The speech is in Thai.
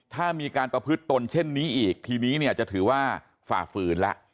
ถ้ามีการประพฤติตนเช่นนี้อีกทีนี้เนี่ยจะถือว่าฝ่าฝืนแล้ว